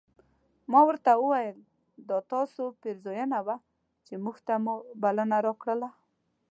ما ورته وویل دا ستاسو پیرزوینه وه چې موږ ته مو بلنه راکړله.